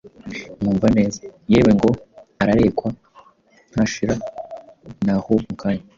Mwumvaneza: Yewe, ngo ararekwa ntashira ni aho mu kanya;